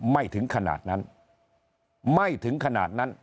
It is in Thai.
ไม่ถึงขนาดนั้นไม่ถึงขนาดนั้น